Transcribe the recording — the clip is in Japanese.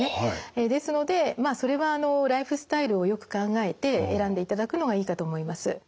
ですのでまあそれはライフスタイルをよく考えて選んでいただくのがいいかと思います。